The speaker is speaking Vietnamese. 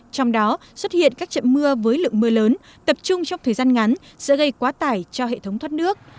trong đó xuất hiện các trận mưa với lượng mưa lớn tập trung trong thời gian ngắn sẽ gây quá tải cho hệ thống thoát nước